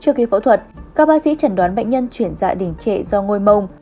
trước khi phẫu thuật các bác sĩ chẳng đoán bệnh nhân chuyển dạ đỉnh trệ do ngôi mông